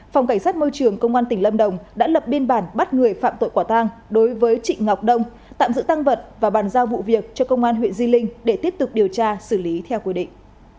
phòng cảnh sát môi trường công an tỉnh lâm đồng đã lập biên bản bắt người phạm tội quả tang đối với trịnh ngọc đông tạm giữ tăng vật và bàn giao vụ việc cho công an huyện di linh để tiếp tục điều tra xử lý theo quy định